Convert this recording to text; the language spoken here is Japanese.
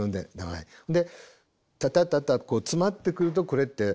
で「タタタタ」詰まってくるとこれって「タタタタ」